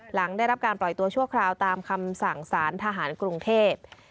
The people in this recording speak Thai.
หลังได้รับการปล่อยตัวชั่วคราวตามคำสั่งสารทหารกรุงเทพ